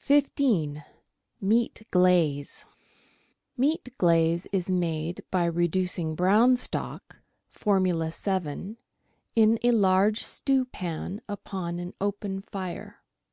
15— MEAT OLAZE Meat glaze is made by reducing brown stock (Formula 7) in a large stewpan upon an open fire.